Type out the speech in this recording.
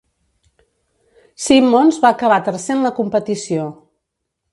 Simmons va acabar tercer en la competició.